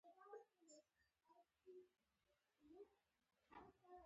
حیران وم چې د عسکرو ډله یې ولې ونه ویشته